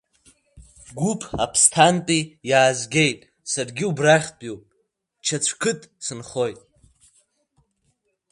Гәыԥ Аԥсҭантәи иаазгеит, саргьы убрахьтәиуп, Чаҵәқыҭ сынхоит.